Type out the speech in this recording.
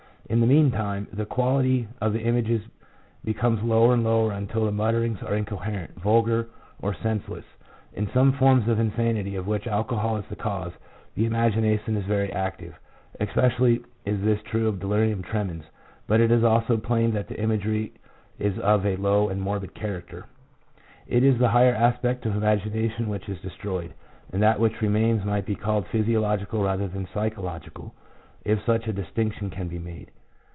In the meantime, the quality of the images becomes lower and lower until the mutterings are incoherent, vulgar, or sense less. In seme forms of insanity of which alcohol is the cause, the imagination is very active. Especially is this true of delirium tremens, but it is also plain that the imagery is of a low and morbid character. It is the higher aspect of imagination which is destroyed, and that which remains might be called physiological rather than psychological, if such a distinction can be made.